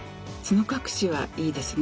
角隠しはいいですね！